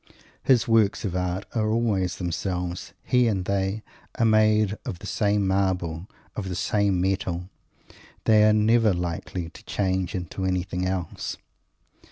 His works of art are always themselves. He and they are made of the same marble, of the same metal. They are never likely to change into anything else!